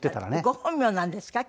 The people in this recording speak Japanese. ご本名なんですか？